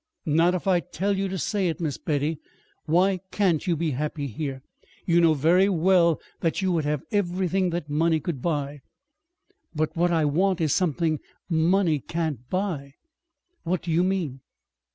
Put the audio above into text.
"Not if I tell you to say it, Miss Betty. Why can't you be happy here? You know very well that you would have everything that money could buy." "But what I want is something money can't buy." "What do you mean?"